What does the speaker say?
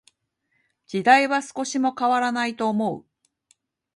時代は少しも変らないと思う。